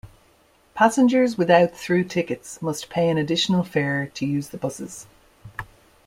Passengers without through tickets must pay an additional fare to use the buses.